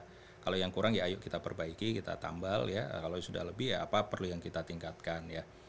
kalau yang kurang ya ayo kita perbaiki kita tambal ya kalau sudah lebih ya apa perlu yang kita tingkatkan ya